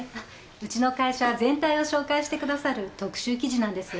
うちの会社全体を紹介してくださる特集記事なんです。